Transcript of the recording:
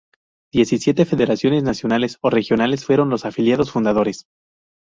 Diecisiete federaciones nacionales o regionales fueron los afiliados fundadores.